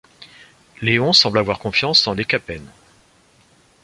Léon semble avoir confiance en Lécapène.